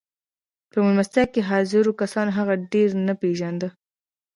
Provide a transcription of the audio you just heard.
په مېلمستیا کې حاضرو کسانو هغه ډېر نه پېژانده